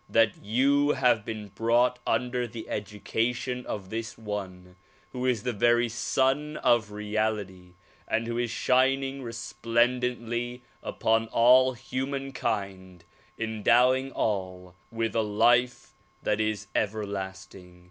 that you have been brought under the education of this one who is the very Sun of Reality and who is shining resplendently upon all humankind endowing all with a life that is everlasting.